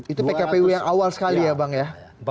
itu pkpu yang awal sekali ya bang ya